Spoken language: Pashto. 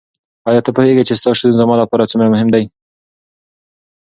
ایا ته پوهېږې چې ستا شتون زما لپاره څومره مهم دی؟